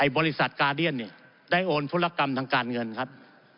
บริษัทกาเดียนได้โอนธุรกรรมทางการเงินครับ